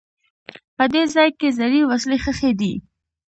په دې ځای کې زړې وسلې ښخي دي.